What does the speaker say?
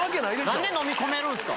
何でのみ込めるんですか。